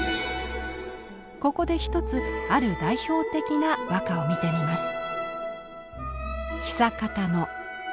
ここで一つある代表的な和歌を見てみます。